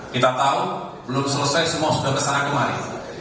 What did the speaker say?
kita tahu belum selesai semua sudah kesana kemari